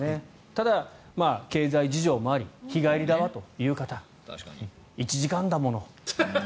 ただ、経済事情もあり日帰りだわという方１時間だもの。